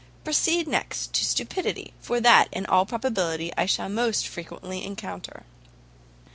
Proceed next to stupidity; for that, in all probability, I shall most frequently encounter."